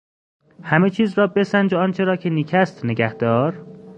همه چیز را بسنج و آنچه را که نیک است نگهدار.